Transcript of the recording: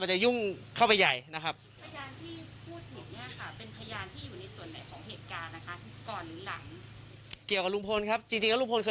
เป็นบุคคลที่สามารถยืนยันทามไลน์หรือว่าช่วงเวลาของลุงพลได้